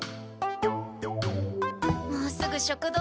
もうすぐ食堂だ。